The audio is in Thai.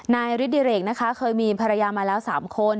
นายฤทธิเรกนะคะเคยมีภรรยามาแล้ว๓คน